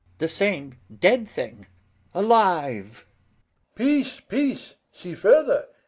The same dead thing alive. BELARIUS. Peace, peace! see further.